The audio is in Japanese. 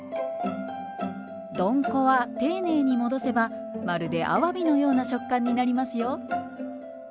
どんこは丁寧に戻せばまるであわびのような食感になりますよ。